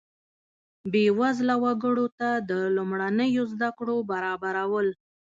بیوزله وګړو ته د لومړنیو زده کړو برابرول.